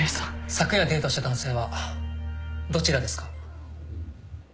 昨夜デートした男性はどちらですか？